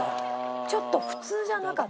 ちょっと普通じゃなかった。